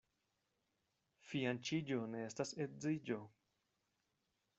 Fianĉiĝo ne estas edziĝo.